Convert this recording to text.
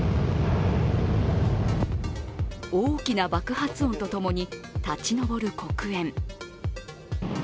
大きな爆発音とともに立ち上る黒煙。